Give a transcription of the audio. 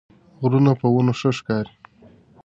غرونه په ونو ښه ښکاري